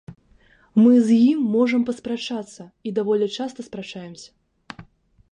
Мы з ім можам паспрачацца, і даволі часта спрачаемся.